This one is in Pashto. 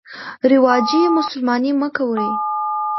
رواجي مسلماني مه کوئ.